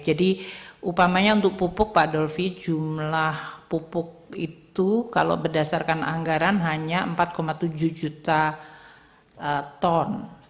jadi upamanya untuk pupuk pak dolfi jumlah pupuk itu kalau berdasarkan anggaran hanya empat tujuh juta ton